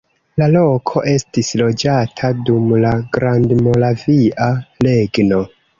La loko estis loĝata dum la Grandmoravia Regno.